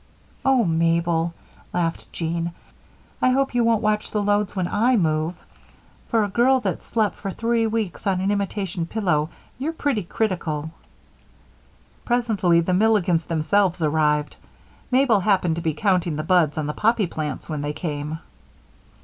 "Oh, Mabel," laughed Jean, "I hope you won't watch the loads when I move. For a girl that's slept for three weeks on an imitation pillow, you're pretty critical." Presently the Milligans themselves arrived. Mabel happened to be counting the buds on the poppy plants when they came.